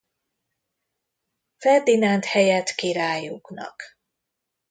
Ferdinánd helyett királyuknak.